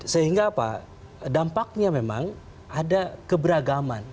sehingga apa dampaknya memang ada keberagaman